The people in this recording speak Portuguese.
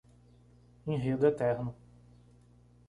Enredo eterno